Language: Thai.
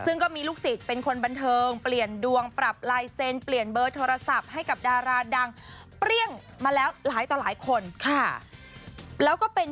ซึ่งก็มีลูกศิษย์เป็นคนบรรเทิงเปลี่ยนดวงปรับไลน์เซน